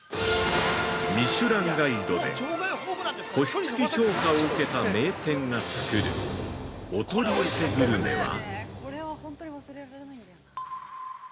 ◆ミシュランガイドで星付き評価を受けた名店が作るお取り寄せグルメは◆